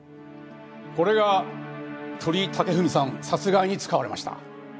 これが鳥居武文さん殺害に使われました。